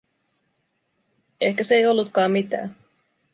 Ehkä se ei ollutkaan mitään.